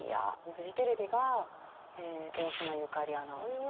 フジテレビが大島由香里アナウンサー